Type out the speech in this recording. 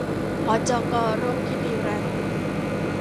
หจก.ร่มธิติรัตน์